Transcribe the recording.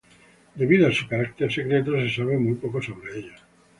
Debido a su carácter secreto, se sabe muy poco sobre ellos.